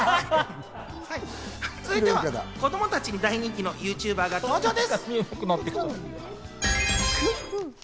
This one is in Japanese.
続いては子供たちに大人気のＹｏｕＴｕｂｅｒが登場です。